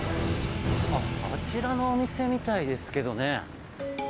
あちらのお店みたいですけどね。